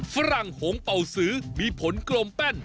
ฝรั่งหงเป่าสือมีผลกลมแป้น